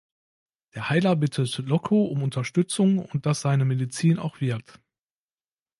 Der Heiler bittet Loco um Unterstützung, und dass seine Medizin auch wirkt.